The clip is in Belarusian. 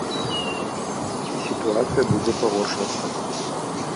І сітуацыя будзе пагоршвацца.